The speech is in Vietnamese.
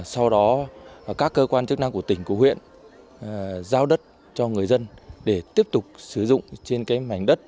sau đó các cơ quan chức năng của tỉnh của huyện giao đất cho người dân để tiếp tục sử dụng trên mảnh đất